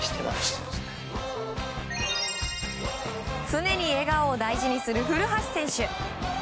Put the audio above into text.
常に笑顔を大事にする古橋選手。